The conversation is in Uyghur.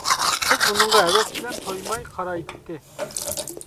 قىز ئۇنىڭغا ھەۋەس بىلەن تويماي قارايتتى.